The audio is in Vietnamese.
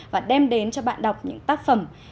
và đem đến cho bạn đọc những tác phẩm